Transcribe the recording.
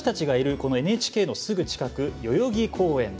このＮＨＫのすぐ近く代々木公園。